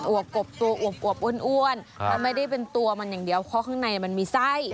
วกกบตัวอวบอ้วนแล้วไม่ได้เป็นตัวมันอย่างเดียวเพราะข้างในมันมีไส้